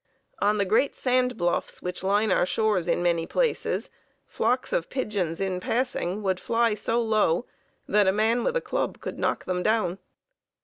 On the great sand bluffs which line our shores in many places, flocks of pigeons in passing would fly so low that a man with a club could knock them down.